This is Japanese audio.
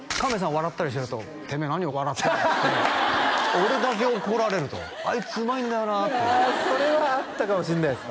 笑ったりしてると「てめえ何笑ってんだよ」って俺だけ怒られるとあいつうまいんだよなってそれはあったかもしれないです